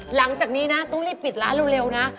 หลังจากนี้นะต้องรีบปิดร้านเร็วนะ